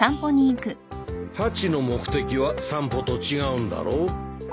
ハチの目的は散歩と違うんだろう？